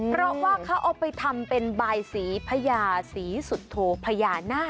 เพราะว่าเขาเอาไปทำเป็นบายสีพญาศรีสุโธพญานาค